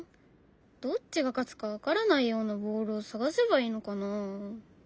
どっちが勝つか分からないようなボールを探せばいいのかなあ？